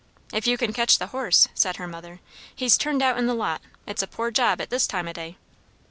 "If you can catch the horse," said her mother. "He's turned out in the lot. It's a poor job, at this time o' day."